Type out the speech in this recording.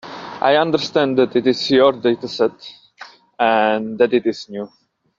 I understand that it is your dataset, and that it is new.